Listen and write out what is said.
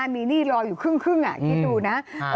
มีหนี้รออยู่ครึ่งคิดดูนะ